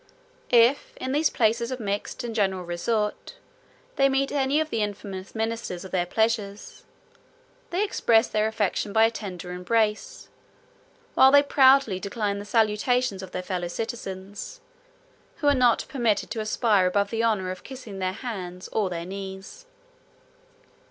If, in these places of mixed and general resort, they meet any of the infamous ministers of their pleasures, they express their affection by a tender embrace; while they proudly decline the salutations of their fellow citizens, who are not permitted to aspire above the honor of kissing their hands, or their knees.